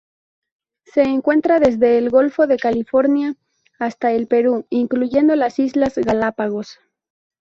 Se encuentra desde el Golfo de California hasta el Perú, incluyendo las Islas Galápagos.